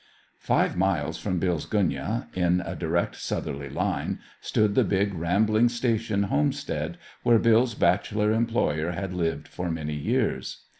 Five miles from Bill's gunyah, in a direct southerly line, stood the big, rambling station homestead, where Bill's bachelor employer had lived for many years.